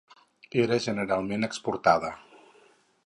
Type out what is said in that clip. Era generalment exportada.